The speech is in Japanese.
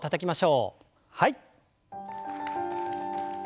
はい。